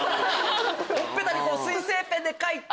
ほっぺたに水性ペンで書いて。